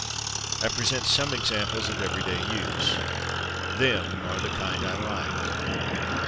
I present some examples of everyday use: /Them/ are the kind I like.